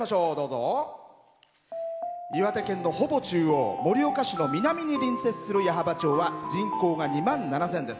岩手県の、ほぼ中央盛岡市の南に隣接する矢巾町は人口が２万７０００です。